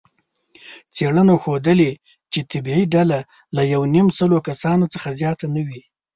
څېړنو ښودلې، چې طبیعي ډله له یونیمسلو کسانو څخه زیاته نه وي.